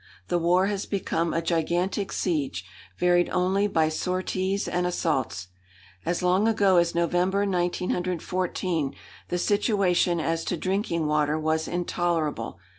The war has become a gigantic siege, varied only by sorties and assaults. As long ago as November, 1914, the situation as to drinking water was intolerable.